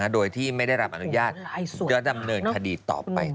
โดยที่ไม่ได้รับอนุญาตจะดำเนินคดีต่อไป